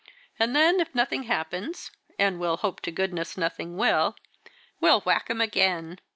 And then, if nothing happens and we'll hope to goodness nothing will we'll whack 'em again."